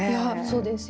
そうですよね。